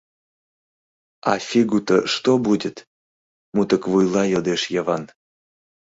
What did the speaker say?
А фигу-то что будет? — мутыквуйла йодеш Йыван.